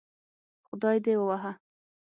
خدای دې ووهه